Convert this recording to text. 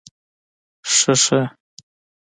شه شه